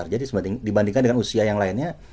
jadi dibandingkan dengan usia yang lainnya